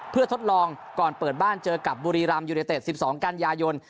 เพื่อทดลองก่อนเปิดบ้านเจอกับบุรีรำยูเนเต็ด๑๒กันยายน